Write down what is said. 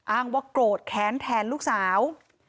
อ้างว่ากรวดแค้นแทนลูกสาว